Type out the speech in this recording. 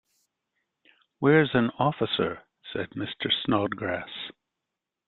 ‘Where’s an officer?’ said Mr. Snodgrass.